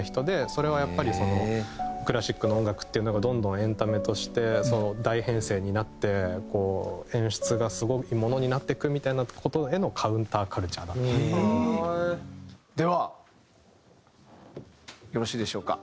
それはやっぱりそのクラシックの音楽っていうのがどんどんエンタメとして大編成になってこう演出がすごいものになっていくみたいな事へのではよろしいでしょうか？